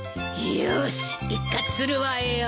よし一喝するわよ！